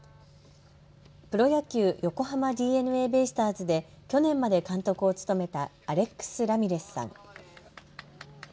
プロ野球、横浜ＤｅＮＡベイスターズで去年まで監督を務めたアレックス・ラミレスさん。